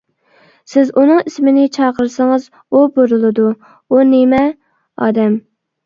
سىز ئۇنىڭ ئىسمىنى چاقىرسىڭىز ئۇ بۇرۇلىدۇ، ئۇ نېمە؟ ئادەم.